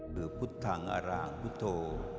หรือพุทธังอารหางพุทธโฌ